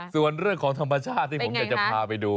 ส่วนเรื่องของธรรมชาติที่ผมอยากจะพาไปดู